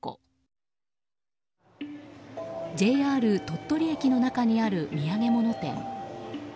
ＪＲ鳥取駅の中にある土産物店。